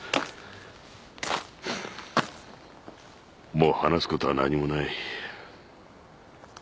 もう話すことは何もない。